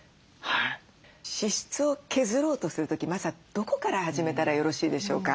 支出を削ろうとする時まずはどこから始めたらよろしいでしょうか？